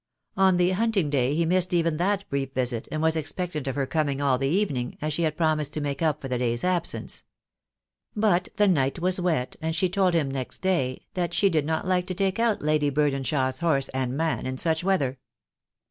On the hunting day he missed even that brief visit, and was expectant of her coming all the evening, as she had promised to make up for the day's absence. But the night was wet, and she told him next day that she did not like to take out Lady Burdenshaw's horse and man in such weather.